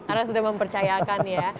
karena sudah mempercayakan ya